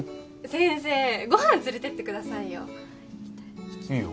先生ご飯連れてってくださいよ。いいよ。